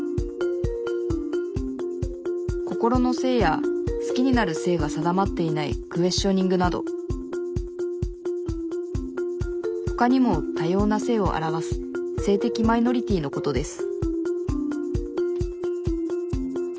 心の性や好きになる性が定まっていないクエスチョニングなどほかにも多様な性を表す性的マイノリティーのことです